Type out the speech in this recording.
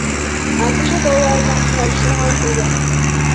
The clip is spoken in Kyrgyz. АКШ долларына кыскарышына алып келген.